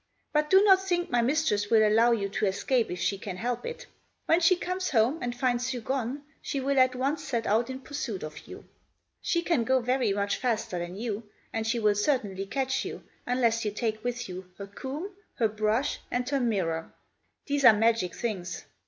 But do not think my mistress will allow you to escape if she can help it. When she comes home and finds you gone, she will at once set out in pursuit of you. She can go very much faster than you, and she will certainly catch you unless you take with you her comb, her brush, and her mirror. These are magic things.